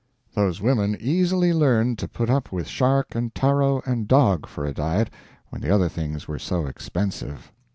Those women easily learned to put up with shark and taro and dog for a diet when the other things were so expensive.